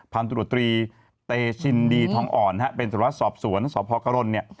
ผ่านตรวจตรีเตชินดีทองอ่อนนะฮะเป็นสหรัฐสอบสวนสอบภอกะโรนเนี่ย